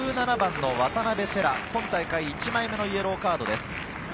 １７番の渡邊星来、今大会１枚目のイエローカードです。